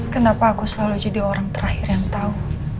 kenapa aku selalu jadi orang terakhir yang tahu